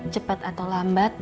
cepat atau lambat